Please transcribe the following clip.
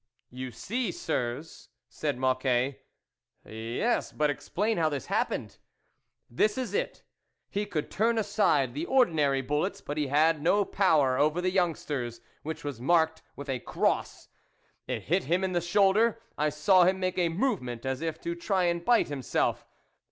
" You see, sirs," said Mocquet. " Yes, but explain how this happened." " This is it ; he could turn aside the ordinary bullets, but he had no power over the youngster's, which was marked with a cross ; it hit him in the shoulder, I saw him make a movement as if to try and bite himself."